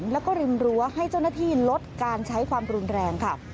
แล้วก็ริมรั้วให้เจ้าหน้าที่ลดการใช้ความรุนแรงค่ะ